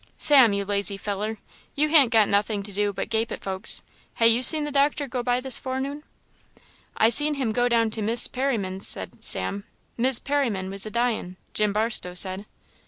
Sam! you lazy feller, you han't got nothing to do but gape at folks ha' you seen the doctor go by this forenoon?" "I seen him go down to Mis' Perriman's," said Sam, "Mis' Perriman was a dyin', Jim Barstow said."